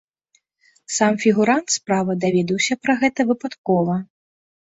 Сам фігурант справы даведаўся пра гэта выпадкова.